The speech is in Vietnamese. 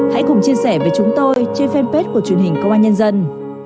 hãy cùng chia sẻ với chúng tôi trên fanpage của truyền hình công an nhân dân